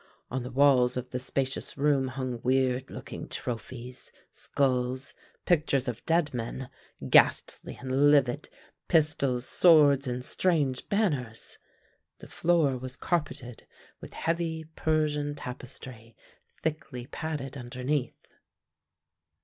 On the walls of the spacious room hung weird looking trophies, skulls, pictures of dead men, ghastly and livid, pistols, swords, and strange banners. The floor was carpeted with heavy Persian tapestry, thickly padded underneath.